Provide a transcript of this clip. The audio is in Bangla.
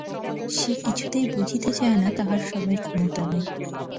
সে কিছুতেই বুঝিতে চায় না তাহার স্বামীর ক্ষমতা নাই।